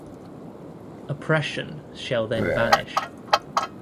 Oppression shall then vanish.